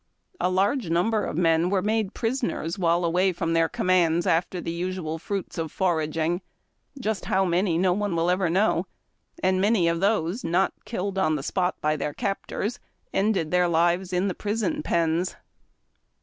A large number of men were made prisoners while away from their commands after the usual fruits of foraging — just how many, no one will ever know; and many of those not killed on the spot by their captors ended their lives in the prison pens.